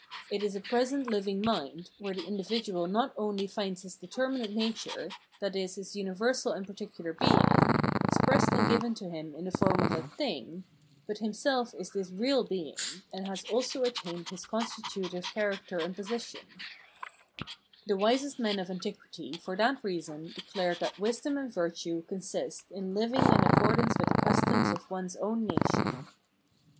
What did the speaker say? ] It is a present hving mind, where the individual not only finds his determinate nature, i.e. his universal and particular being, expressed and given to him in the form ; of a " thing," but himself is this real being, and has ; also attained his constitutive character and position. 344 Phenomenology of Mind The wisest men of antiquity for that reason declared that wisdom and virtue consist in living in accordance with the customs of one's own nation.